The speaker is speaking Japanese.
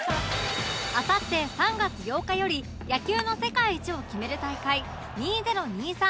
あさって３月８日より野球の世界一を決める大会２０２３